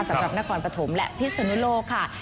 สำหรับนครปฐมและพิศนุโลกค่ะ